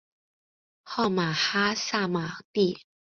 号玛哈萨嘛谛。